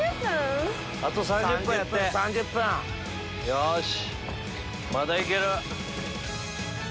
よし！